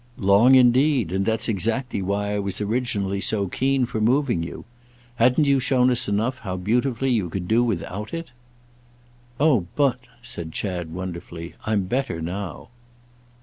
"Long indeed; and that's exactly why I was originally so keen for moving you. Hadn't you shown us enough how beautifully you could do without it?" "Oh but," said Chad wonderfully, "I'm better now."